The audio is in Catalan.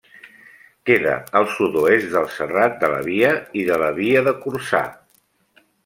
Queda al sud-oest del Serrat de la Via i de la Via de Corçà.